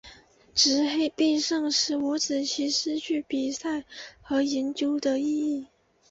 执黑必胜使五子棋失去了比赛和研究的意义。